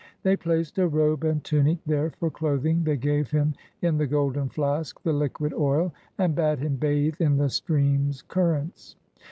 They placed a robe and tunic there for clothing, they gave him in the golden flask the liquid oil, and bade him bathe in the stream's currents.